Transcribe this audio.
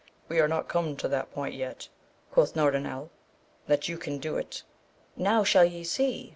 We are not come to that point yet, quoth Norandel, that you can do it. Now shall ye see